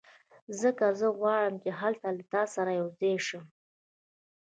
ځکه زه غواړم چې هلته له تا سره یو ځای شم